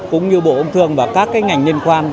cũng như bộ công thương và các ngành liên quan